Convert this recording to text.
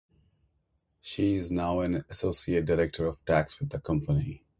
She is now an associate director of tax with the company.